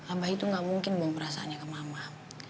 abah itu gak mungkin dong perasaannya ke mama